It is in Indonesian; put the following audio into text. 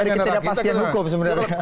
tidak pastikan hukum sebenarnya